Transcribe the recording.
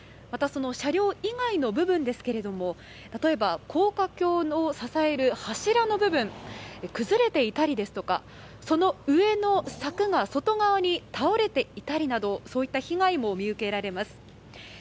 その車両以外の部分ですが例えば、高架橋を支える柱の部分崩れていたりですとかその上の柵が外側に倒れていたりなどそういった被害も見受けられます。